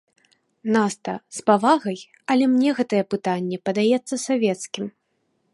Наста, з павагай, але мне гэтае пытанне падаецца савецкім.